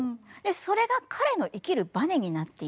それが彼の生きるバネになっていて。